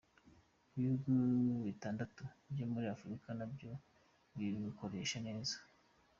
Ibihugu bitandatu byo muri Afurika nibyo bibukoresha neza.